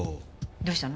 どうしたの？